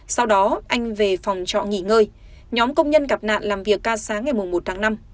sau đó anh về phòng trọ nghỉ ngơi nhóm công nhân gặp nạn làm việc ca sáng ngày một tháng năm